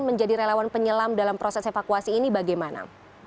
menjadi relawan penyelam dalam proses evakuasi ini bagaimana